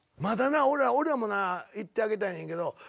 まだなおいらもな行ってあげたいねんけど。